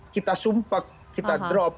kita sumpah kita drop